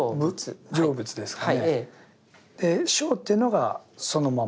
「性」っていうのがそのまま。